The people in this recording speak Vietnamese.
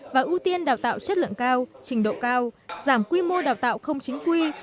và ưu tiên đào tạo chất lượng cao trình độ cao giảm quy mô đào tạo không chính quy